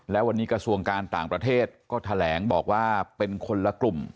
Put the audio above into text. และวันนี้กระทรวงการต่างประเทศก็แถลงบอกว่าเป็นคนละกลุ่ม